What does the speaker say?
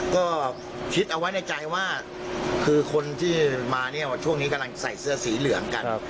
ก็คิดเอาไว้ในใจว่าคือคนที่มาเนี่ยช่วงนี้กำลังใส่เสื้อสีเหลืองกัน